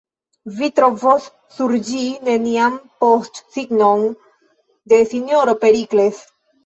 Vi trovos sur ĝi nenian postsignon de S-ro Perikles.